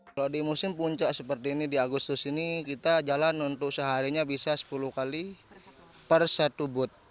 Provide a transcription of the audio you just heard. kalau di musim puncak seperti ini di agustus ini kita jalan untuk seharinya bisa sepuluh kali per satu booth